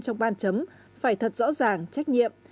trong ban chấm phải thật rõ ràng trách nhiệm